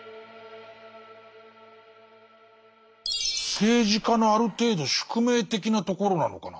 政治家のある程度宿命的なところなのかな。